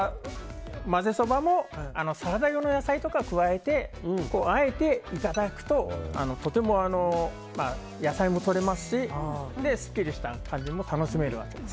まぜそばもサラダ用の野菜とかを加えて加えてあえて、いただくと野菜もとれますしスッキリした感じも楽しめるわけです。